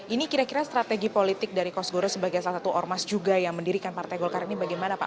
ini kira kira strategi politik dari kosgoro sebagai salah satu ormas juga yang mendirikan partai golkar ini bagaimana pak